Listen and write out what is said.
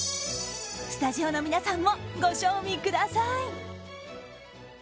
スタジオの皆さんもご賞味ください。